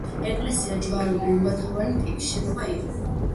ეკლესია ჯვარულ-გუმბათოვანი ტიპის შენობა იყო.